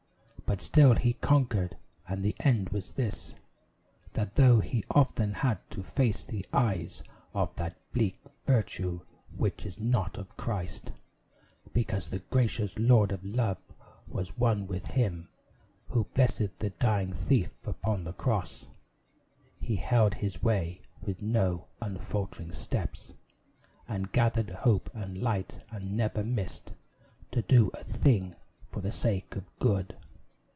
But still he conquered; and the end was this, That though he often had to face the eyes Of that bleak Virtue which is not of Christ (Because the gracious Lord of Love was one with Him Who blessed the dying thief upon the cross), He held his way with no unfaltering steps, And gathered hope and light, and never missed To do a thing for the sake of good.